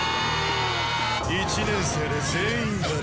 １年生で全員「４」。